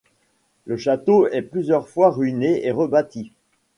Le château est plusieurs fois ruiné et rebâti.